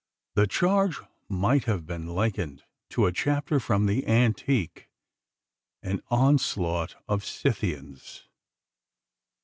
The charge might have been likened to a chapter from the antique an onslaught of Scythians!